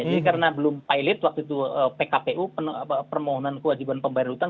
jadi karena belum pilot waktu itu pkpu permohonan kewajiban pembayaran hutang